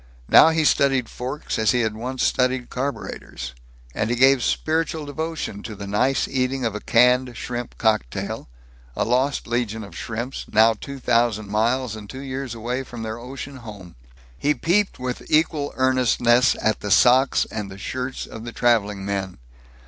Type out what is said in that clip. Now he studied forks as he had once studied carburetors, and he gave spiritual devotion to the nice eating of a canned shrimp cocktail a lost legion of shrimps, now two thousand miles and two years away from their ocean home. He peeped with equal earnestness at the socks and the shirts of the traveling men.